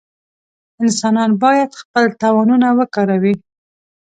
انسانان باید خپل توانونه وکاروي.